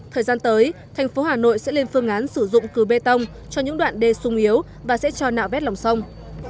thời gian tới thành phố hà nội sẽ lên phương án sử dụng cư bê tông cho những đoạn đê sung yếu và sẽ cho nạo vét lòng sông